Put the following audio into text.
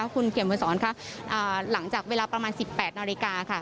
คุณเขียนบริษัทธิ์สอนหลังจากเวลาประมาณ๑๘นาฬิกา